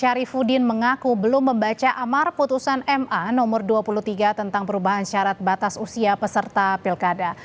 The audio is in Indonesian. syarifudin mengaku belum membaca amar putusan ma no dua puluh tiga tentang perubahan syarat batas usia peserta pilkada